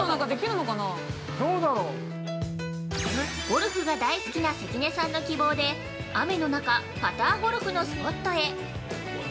◆ゴルフが大好きな関根さんの希望で、雨の中、パターゴルフのスポットへ◆